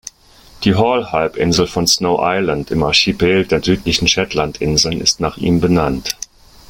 Die Hall-Halbinsel von Snow Island im Archipel der Südlichen Shetlandinseln ist nach ihm benannt.